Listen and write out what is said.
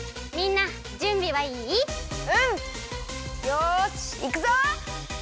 よしいくぞ！